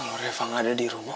kalau reva nggak ada di rumah